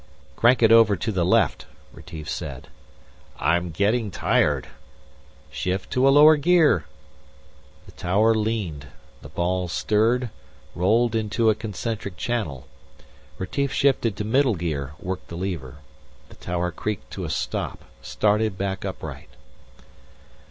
"Crank it over to the left," Retief said. "I'm getting tired." "Shift to a lower gear." The tower leaned. The ball stirred, rolled into a concentric channel. Retief shifted to middle gear, worked the lever. The tower creaked to a stop, started back upright.